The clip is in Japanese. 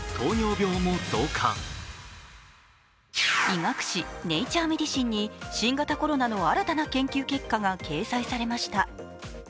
医学誌「ネイチャー・メディシン」に新型コロナの新たな研究結果が掲載されました。